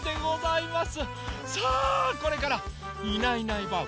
さあこれから「いないいないばあっ！